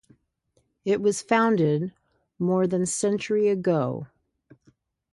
It was founded more than century ago.